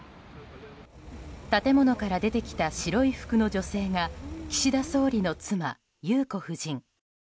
建物から出てきた白い服の女性が岸田総理の妻・裕子夫人。